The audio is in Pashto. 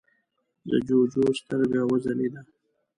د جُوجُو سترګه وځلېده: